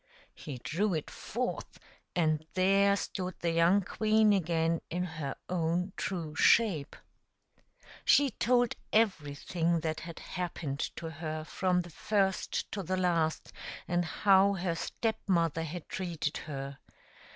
He drew it forth, and there stood the young queen again in her own true shape. She told everything that had happened to her from the first to the last, and how her Step mother had treated her.